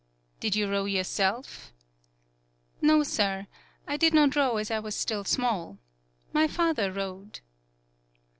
"Did you row yourself?" "No, sir. I did not row as I was still small. My father rowed."